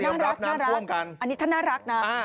น่ารักอันนี้ท่านน่ารักนะ